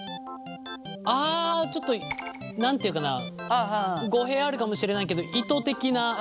ああちょっと何て言うかな語弊あるかもしれないけど糸的な。